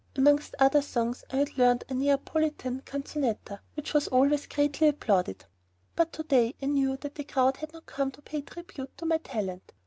Amongst other songs, I had learnt a Neapolitan canzonetta which was always greatly applauded. But to day I knew that the crowd had not come to pay tribute to my talent.